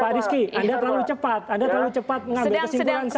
pak rizky anda terlalu cepat anda terlalu cepat mengambil kesimpulan